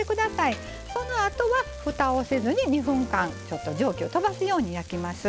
そのあとはふたをせずに２分間ちょっと蒸気をとばすように焼きます。